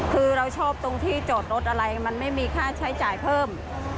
คือเราชอบตรงที่จอดรถอะไรมันไม่มีค่าใช้จ่ายเพิ่ม